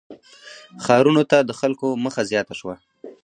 • ښارونو ته د خلکو مخه زیاته شوه.